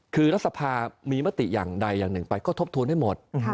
คือรัฐสภามีมติอย่างใดอย่างหนึ่งไปก็ทบทวนให้หมด